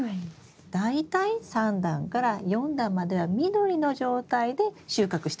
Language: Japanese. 大体３段から４段までは緑の状態で収穫してほしいんです。